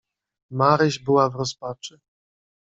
"Maryś była w rozpaczy."